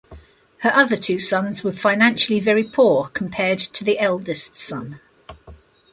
Her other two sons were financially very poor compared to the eldest son.